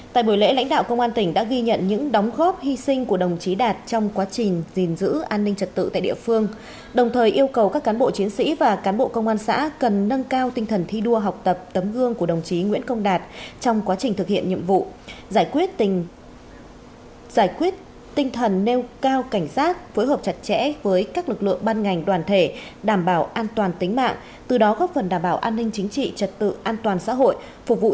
tại buổi lễ lãnh đạo công an tỉnh đã ghi nhận những đóng góp hy sinh của đồng chí đạt trong quá trình gìn giữ an ninh trật tự tại địa phương đồng thời yêu cầu các cán bộ chiến sĩ và cán bộ công an xã cần nâng cao tinh thần thi đua học tập tấm gương của đồng chí nguyễn công đạt trong quá trình thực hiện nhiệm vụ giải quyết tinh thần nêu cao cảnh sát phối hợp chặt chẽ với các lực lượng ban ngành đoàn thể đảm bảo an toàn tính mạng từ đó góp phần đảm bảo an ninh chính trị trật tự an toàn xã hội phục vụ các lực l